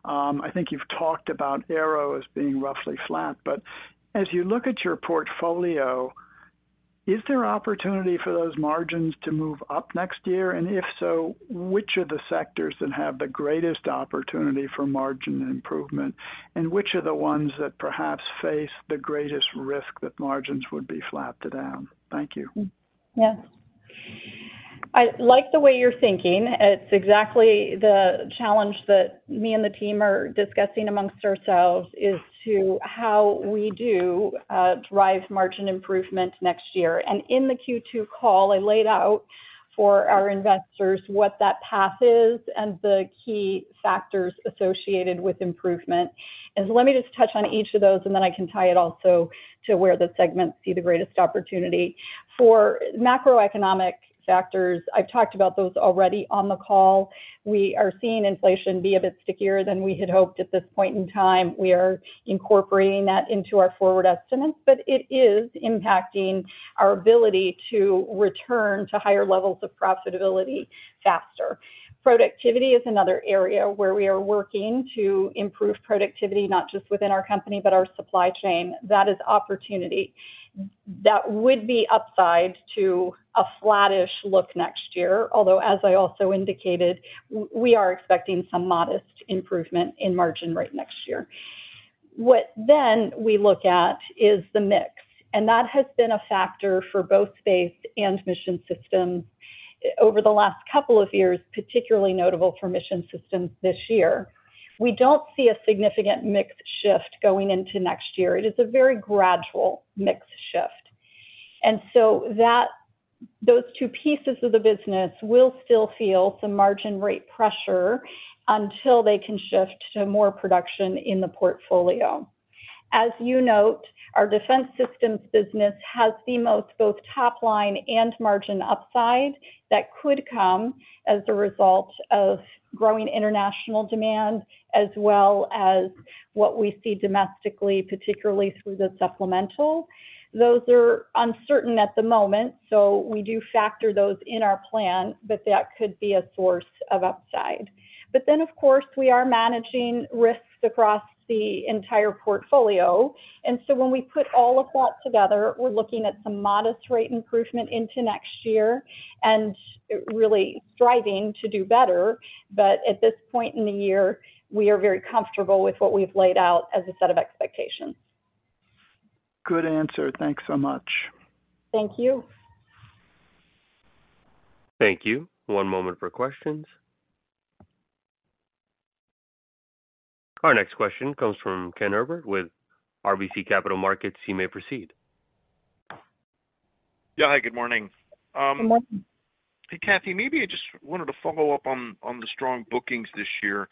I think you've talked about Aero as being roughly flat, but as you look at your portfolio, is there opportunity for those margins to move up next year? If so, which are the sectors that have the greatest opportunity for margin improvement, and which are the ones that perhaps face the greatest risk that margins would be flat to down? Thank you. Yeah. I like the way you're thinking. It's exactly the challenge that me and the team are discussing amongst ourselves, is to how we do, drive margin improvement next year. And in the Q2 call, I laid out for our investors what that path is and the key factors associated with improvement. And so let me just touch on each of those, and then I can tie it also to where the segments see the greatest opportunity. For macroeconomic factors, I've talked about those already on the call. We are seeing inflation be a bit stickier than we had hoped at this point in time. We are incorporating that into our forward estimates, but it is impacting our ability to return to higher levels of profitability faster. Productivity is another area where we are working to improve productivity, not just within our company, but our supply chain. That is opportunity. That would be upside to a flattish look next year, although, as I also indicated, we are expecting some modest improvement in margin rate next year. What then we look at is the mix, and that has been a factor for both Space and Mission Systems over the last couple of years, particularly notable for Mission Systems this year. We don't see a significant mix shift going into next year. It is a very gradual mix shift. And so that those two pieces of the business will still feel some margin rate pressure until they can shift to more production in the portfolio. As you note, our Defense Systems business has the most, both top line and margin upside that could come as a result of growing international demand, as well as what we see domestically, particularly through the supplemental. Those are uncertain at the moment, so we do factor those in our plan, but that could be a source of upside. But then, of course, we are managing risks across the entire portfolio. And so when we put all of that together, we're looking at some modest rate improvement into next year and really striving to do better. But at this point in the year, we are very comfortable with what we've laid out as a set of expectations. Good answer. Thanks so much. Thank you. Thank you. One moment for questions. Our next question comes from Ken Herbert with RBC Capital Markets. You may proceed. Yeah. Hi, good morning. Good morning. Hey, Kathy, maybe I just wanted to follow up on the strong bookings this year.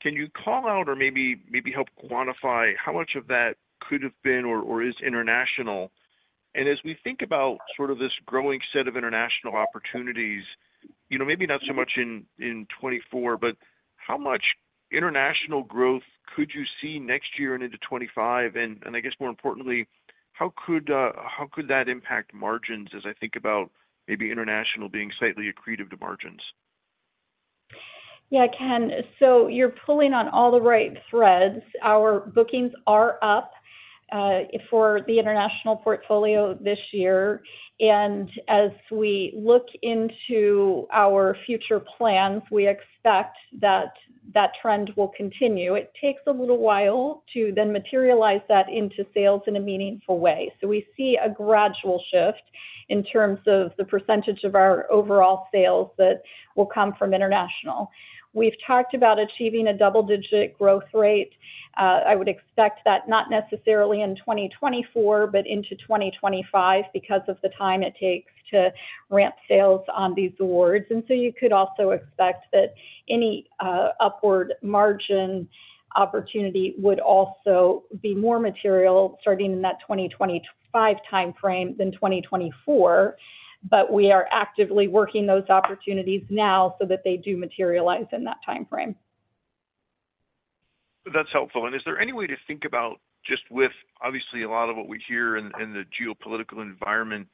Can you call out or maybe help quantify how much of that could have been or is international? And as we think about sort of this growing set of international opportunities, you know, maybe not so much in 2024, but how much international growth could you see next year and into 2025? And I guess more importantly, how could that impact margins as I think about maybe international being slightly accretive to margins? Yeah, Ken, so you're pulling on all the right threads. Our bookings are up for the international portfolio this year, and as we look into our future plans, we expect that that trend will continue. It takes a little while to then materialize that into sales in a meaningful way. So we see a gradual shift in terms of the percentage of our overall sales that will come from international. We've talked about achieving a double-digit growth rate. I would expect that not necessarily in 2024, but into 2025 because of the time it takes to ramp sales on these awards. And so you could also expect that any upward margin opportunity would also be more material starting in that 2025 time frame than 2024. But we are actively working those opportunities now so that they do materialize in that time frame. That's helpful. And is there any way to think about, just with obviously a lot of what we hear in the geopolitical environment,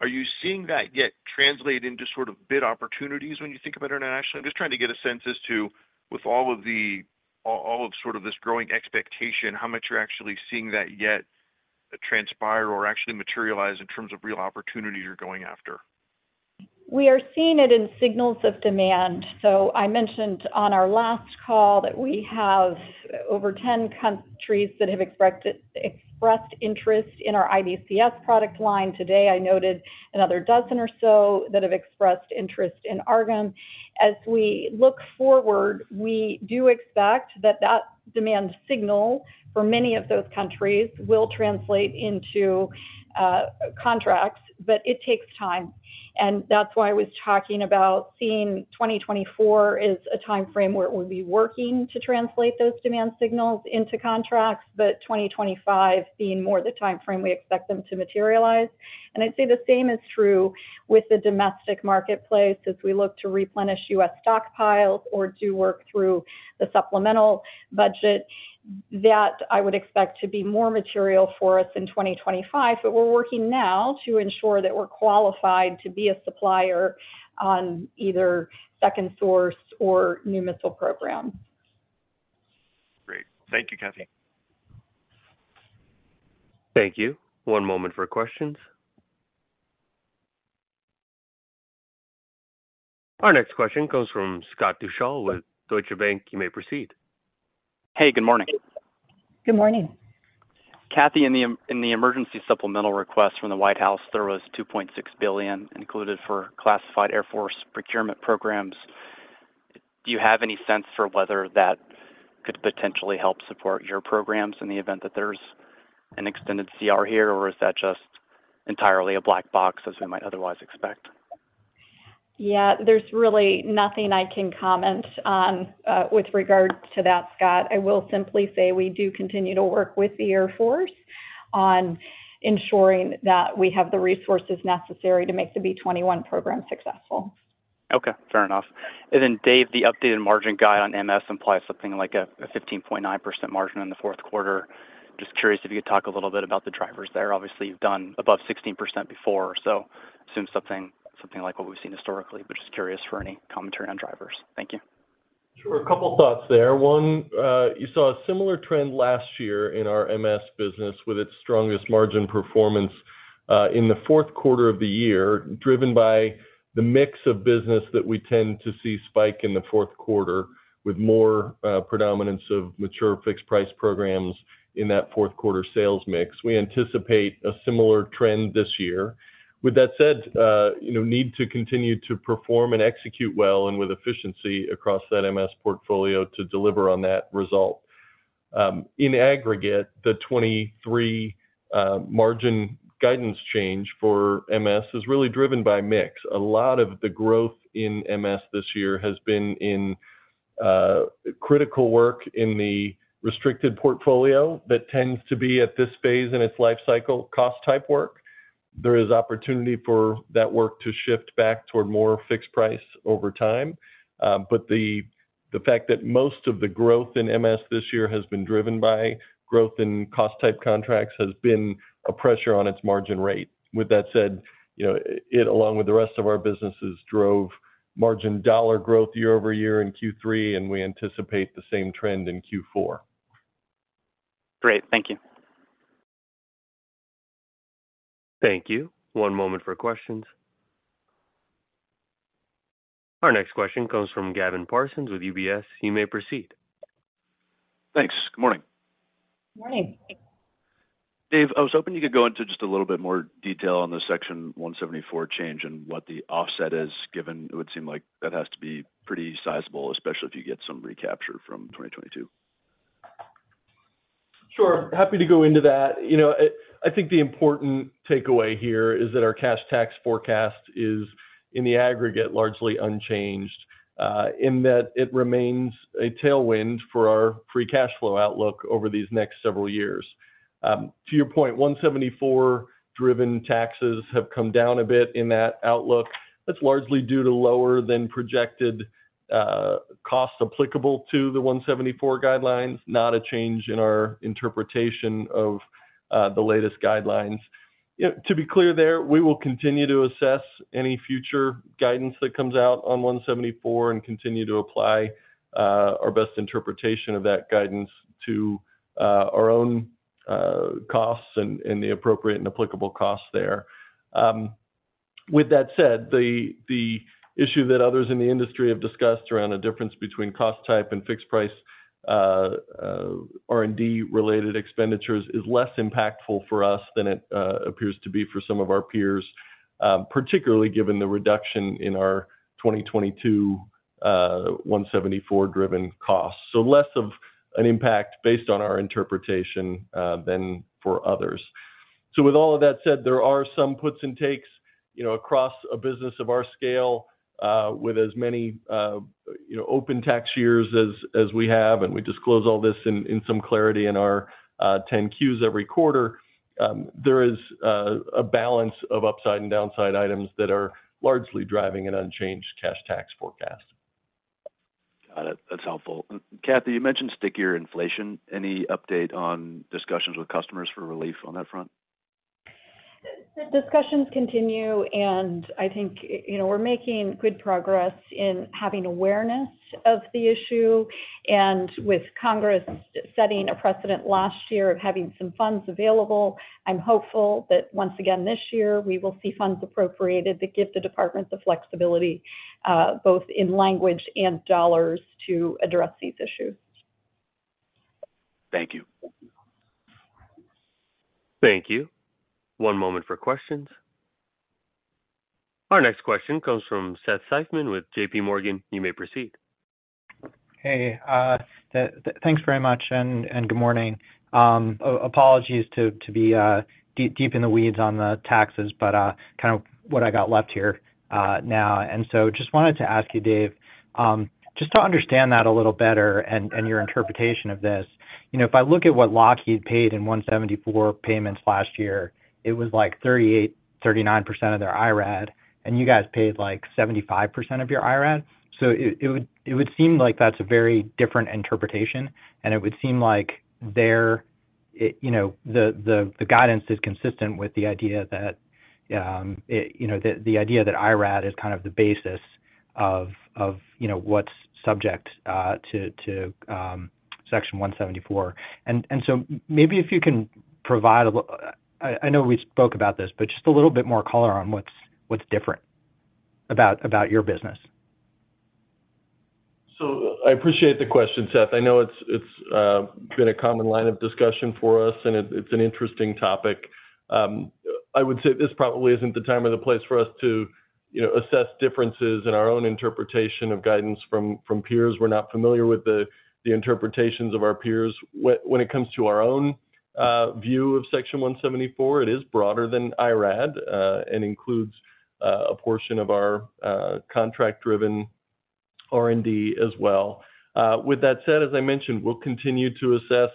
are you seeing that yet translate into sort of bid opportunities when you think about international? I'm just trying to get a sense as to, with all of sort of this growing expectation, how much you're actually seeing that yet transpire or actually materialize in terms of real opportunities you're going after. We are seeing it in signals of demand. So I mentioned on our last call that we have over 10 countries that have expressed interest in our IBCS product line. Today, I noted another dozen or so that have expressed interest in AARGM. As we look forward, we do expect that that demand signal for many of those countries will translate into contracts, but it takes time. And that's why I was talking about seeing 2024 as a time frame where we'll be working to translate those demand signals into contracts, but 2025 being more the time frame we expect them to materialize. And I'd say the same is true with the domestic marketplace as we look to replenish U.S. stockpiles or do work through the supplemental budget, that I would expect to be more material for us in 2025. We're working now to ensure that we're qualified to be a supplier on either second source or new missile programs. Great. Thank you, Kathy. Thank you. One moment for questions. Our next question comes from Scott Deuschle with Deutsche Bank. You may proceed. Hey, good morning. Good morning. Kathy, in the emergency supplemental request from the White House, there was $2.6 billion included for classified Air Force procurement programs. Do you have any sense for whether that could potentially help support your programs in the event that there's an extended CR here, or is that just entirely a black box as we might otherwise expect? Yeah, there's really nothing I can comment on, with regard to that, Scott. I will simply say we do continue to work with the Air Force on ensuring that we have the resources necessary to make the B-21 program successful. Okay, fair enough. And then, Dave, the updated margin guide on MS implies something like a 15.9% margin in the fourth quarter. Just curious if you could talk a little bit about the drivers there. Obviously, you've done above 16% before, so assume something like what we've seen historically, but just curious for any commentary on drivers. Thank you. Sure. A couple thoughts there. One, you saw a similar trend last year in our MS business with its strongest margin performance in the fourth quarter of the year, driven by the mix of business that we tend to see spike in the fourth quarter, with more predominance of mature fixed price programs in that fourth quarter sales mix. We anticipate a similar trend this year. With that said, you know, need to continue to perform and execute well and with efficiency across that MS portfolio to deliver on that result. In aggregate, the 2023 margin guidance change for MS is really driven by mix. A lot of the growth in MS this year has been in critical work in the restricted portfolio that tends to be, at this phase in its life cycle, cost-type work. There is opportunity for that work to shift back toward more fixed price over time. But the fact that most of the growth in MS this year has been driven by growth in cost-type contracts has been a pressure on its margin rate. With that said, you know, it, along with the rest of our businesses, drove margin dollar growth year-over-year in Q3, and we anticipate the same trend in Q4. Great. Thank you. Thank you. One moment for questions. Our next question comes from Gavin Parsons with UBS. You may proceed. Thanks. Good morning. Morning. Dave, I was hoping you could go into just a little bit more detail on the Section 174 change and what the offset is given. It would seem like that has to be pretty sizable, especially if you get some recapture from 2022. Sure. Happy to go into that. You know, I think the important takeaway here is that our cash tax forecast is, in the aggregate, largely unchanged, in that it remains a tailwind for our free cash flow outlook over these next several years. To your point, 174-driven taxes have come down a bit in that outlook. That's largely due to lower than projected, costs applicable to the 174 guidelines, not a change in our interpretation of, the latest guidelines. You know, to be clear there, we will continue to assess any future guidance that comes out on 174 and continue to apply, our best interpretation of that guidance to, our own, costs and, the appropriate and applicable costs there. With that said, the issue that others in the industry have discussed around the difference between cost type and fixed price, R&D related expenditures is less impactful for us than it appears to be for some of our peers, particularly given the reduction in our 2022, 174 driven costs. So less of an impact based on our interpretation than for others. So with all of that said, there are some puts and takes, you know, across a business of our scale, with as many, you know, open tax years as we have, and we disclose all this in some clarity in our 10-Qs every quarter. There is a balance of upside and downside items that are largely driving an unchanged cash tax forecast. Got it. That's helpful. Kathy, you mentioned stickier inflation. Any update on discussions with customers for relief on that front? The discussions continue, and I think, you know, we're making good progress in having awareness of the issue. With Congress setting a precedent last year of having some funds available, I'm hopeful that once again, this year, we will see funds appropriated that give the department the flexibility both in language and dollars to address these issues. Thank you. Thank you. One moment for questions. Our next question comes from Seth Seifman with JPMorgan. You may proceed. Hey, thanks very much, and good morning. Apologies to be deep in the weeds on the taxes, but kind of what I got left here now. So just wanted to ask you, Dave, just to understand that a little better and your interpretation of this. You know, if I look at what Lockheed paid in 174 payments last year, it was like 38-39% of their IRAD, and you guys paid, like, 75% of your IRAD. So it would seem like that's a very different interpretation, and it would seem like there, you know, the guidance is consistent with the idea that, you know, the idea that IRAD is kind of the basis of, you know, what's subject to Section 174. So maybe if you can provide a little, I know we spoke about this, but just a little bit more color on what's different about your business. So I appreciate the question, Seth. I know it's been a common line of discussion for us, and it's an interesting topic. I would say this probably isn't the time or the place for us to, you know, assess differences in our own interpretation of guidance from peers. We're not familiar with the interpretations of our peers. When it comes to our own view of Section 174, it is broader than IRAD, and includes a portion of our contract-driven R&D as well. With that said, as I mentioned, we'll continue to assess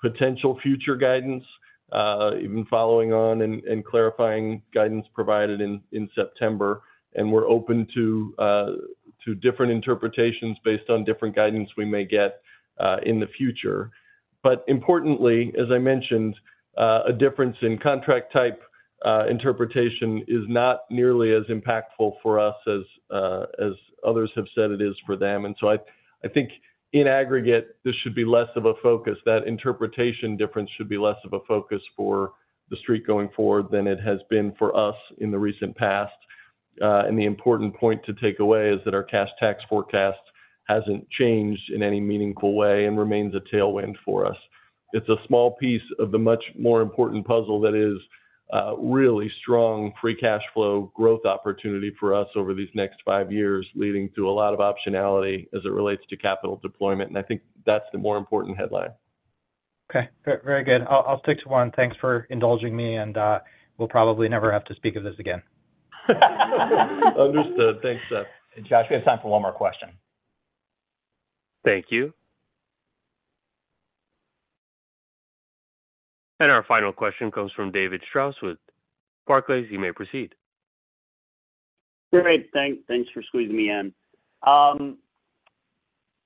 potential future guidance, even following on and clarifying guidance provided in September, and we're open to different interpretations based on different guidance we may get in the future. But importantly, as I mentioned, a difference in contract type, interpretation is not nearly as impactful for us as, as others have said it is for them. And so I think in aggregate, this should be less of a focus. That interpretation difference should be less of a focus for the street going forward than it has been for us in the recent past. And the important point to take away is that our cash tax forecast hasn't changed in any meaningful way and remains a tailwind for us. It's a small piece of the much more important puzzle that is a really strong free cash flow growth opportunity for us over these next five years, leading to a lot of optionality as it relates to capital deployment. And I think that's the more important headline. Okay. Very good. I'll stick to one. Thanks for indulging me, and we'll probably never have to speak of this again. Understood. Thanks, Seth. Josh, we have time for one more question. Thank you. And our final question comes from David Strauss with Barclays. You may proceed. Great. Thank, thanks for squeezing me in.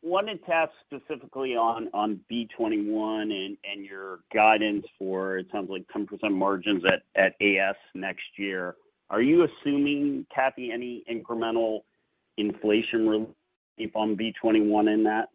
Wanted to ask specifically on, on B-21 and, and your guidance for it sounds like 10% margins at, at AS next year. Are you assuming, Kathy, any incremental inflation relief on B-21 in that?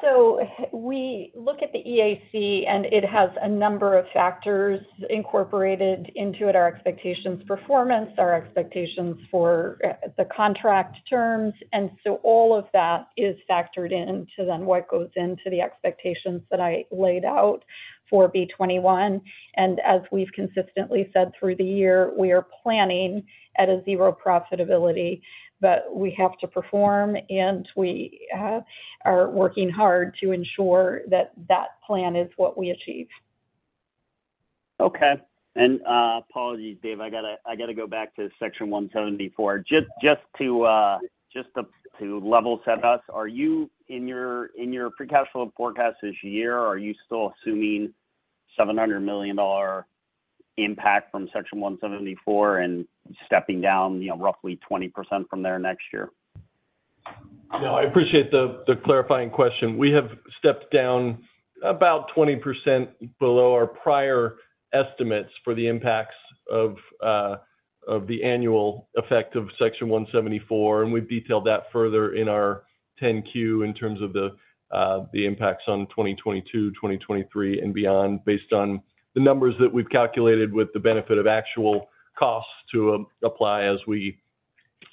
So we look at the EAC, and it has a number of factors incorporated into it, our expectations, performance, our expectations for, the contract terms. And so all of that is factored into then what goes into the expectations that I laid out for B-21. And as we've consistently said through the year, we are planning at a zero profitability, but we have to perform, and we, are working hard to ensure that that plan is what we achieve. Okay. Apologies, Dave. I gotta go back to Section 174. Just to level set us, are you in your free cash flow forecast this year assuming a $700 million impact from Section 174 and stepping down, you know, roughly 20% from there next year? No, I appreciate the clarifying question. We have stepped down about 20% below our prior estimates for the impacts of the annual effect of Section 174, and we've detailed that further in our 10-Q in terms of the impacts on 2022, 2023, and beyond, based on the numbers that we've calculated with the benefit of actual costs to apply as we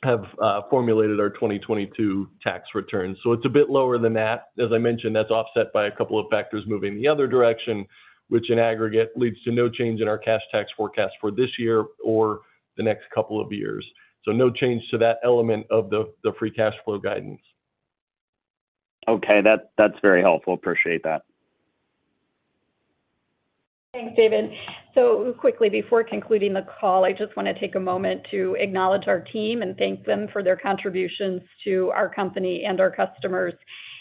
have formulated our 2022 tax return. So it's a bit lower than that. As I mentioned, that's offset by a couple of factors moving in the other direction, which in aggregate leads to no change in our cash tax forecast for this year or the next couple of years. So no change to that element of the free cash flow guidance. Okay, that, that's very helpful. Appreciate that. Thanks, David. So quickly, before concluding the call, I just want to take a moment to acknowledge our team and thank them for their contributions to our company and our customers.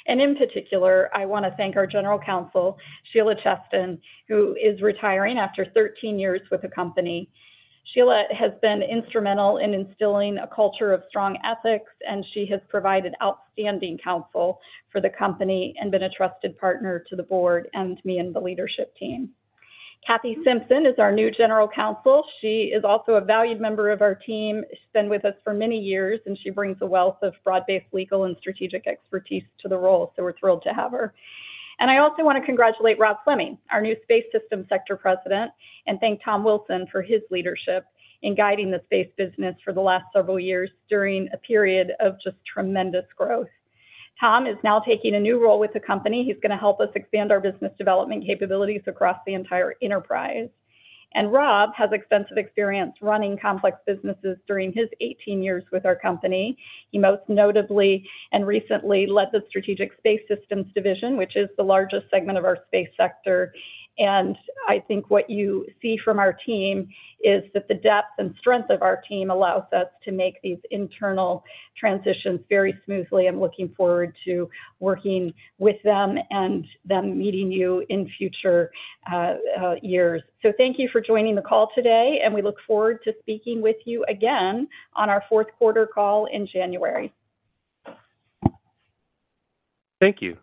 In particular, I want to thank our General Counsel, Sheila Cheston, who is retiring after 13 years with the company. Sheila has been instrumental in instilling a culture of strong ethics, and she has provided outstanding counsel for the company and been a trusted partner to the board and me and the leadership team. Kathryn Simpson is our new General Counsel. She is also a valued member of our team. She's been with us for many years, and she brings a wealth of broad-based legal and strategic expertise to the role, so we're thrilled to have her. I also want to congratulate Rob Fleming, our new Space Systems Sector President, and thank Tom Wilson for his leadership in guiding the space business for the last several years during a period of just tremendous growth. Tom is now taking a new role with the company. He's going to help us expand our business development capabilities across the entire enterprise. Rob has extensive experience running complex businesses during his 18 years with our company. He most notably and recently led the Strategic Space Systems Division, which is the largest segment of our space sector. I think what you see from our team is that the depth and strength of our team allows us to make these internal transitions very smoothly. I'm looking forward to working with them and them meeting you in future years. Thank you for joining the call today, and we look forward to speaking with you again on our fourth quarter call in January. Thank you.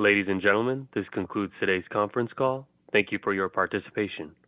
Ladies and gentlemen, this concludes today's conference call. Thank you for your participation.